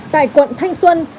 tại quận thanh xuân